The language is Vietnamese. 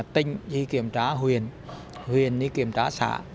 tỉnh thì kiểm tra huyền huyền thì kiểm tra xã